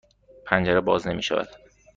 پنجره باز نمی شود.